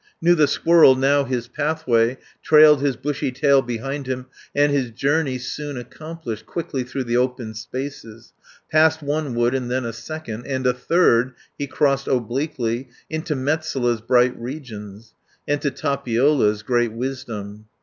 "Knew the squirrel now his pathway, Trailed his bushy tail behind him, And his journey soon accomplished, Quickly through the open spaces, 230 Past one wood, and then a second, And a third he crossed obliquely, Into Metsola's bright regions, And to Tapiola's great wisdom.